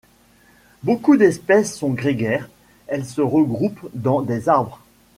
Beaucoup d'espèces sont grégaires, elles se regroupent dans des arbres.